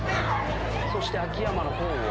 そして秋山の方は？